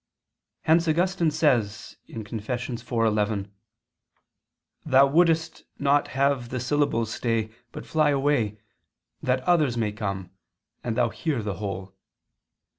Hence Augustine says (Confess. iv, 11): "Thou wouldst not have the syllables stay, but fly away, that others may come, and thou hear the whole.